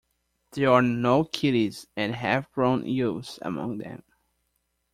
There are no kiddies and half grown youths among them.